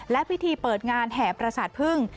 และพิธีเปิดงานแห่ประสาทพึ่ง